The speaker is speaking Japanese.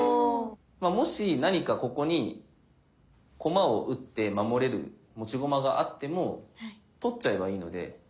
もし何かここに駒を打って守れる持ち駒があっても取っちゃえばいいので。